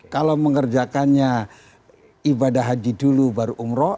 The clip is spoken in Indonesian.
kalau mengerjakannya ibadah haji dulu baru umroh